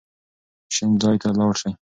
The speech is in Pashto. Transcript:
شین ځای ته لاړ شئ.